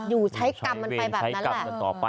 อยู่ใช้กรรมมันไปแบบนั้นแหละ